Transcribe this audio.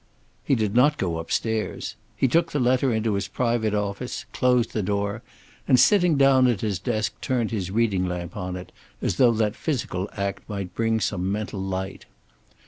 He did not go upstairs. He took the letter into his private office, closed the door, and sitting down at his desk turned his reading lamp on it, as though that physical act might bring some mental light.